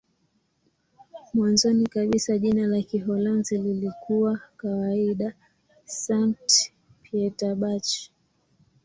Mwanzoni kabisa jina la Kiholanzi lilikuwa kawaida "Sankt-Pieterburch".